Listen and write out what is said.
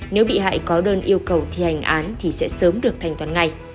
nếu bị hại có đơn yêu cầu thi hành án thì sẽ sớm được thanh toán ngay